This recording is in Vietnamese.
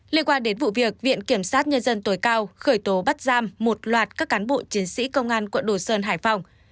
liên quan đến vụ việc viện kiểm sát nhân dân tối cao khởi tố bắt giam một loạt các cán bộ chiến sĩ công an quận đồ sơn hải phòng